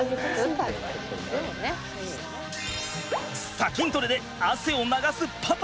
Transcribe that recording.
さきんトレで汗を流すパパ。